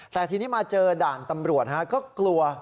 แต่ทีนี้มาเจอด่านตำรวจก็กลัว